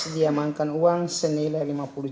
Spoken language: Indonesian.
diamankan uang senilai lima puluh